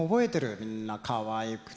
みんなかわいくてね。